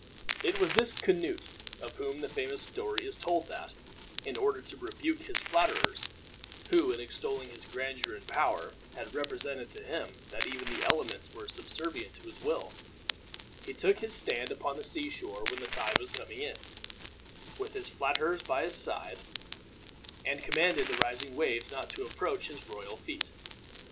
It was this Canute of whom the famous story is told that, in order to rebuke his flatterers, who, in extolling his grandeur and power, had represented to him that even the elements were subservient to his will, he took his stand upon the sea shore when the tide was coming in, with his flatterers by his side, and commanded the rising waves not to approach his royal feet.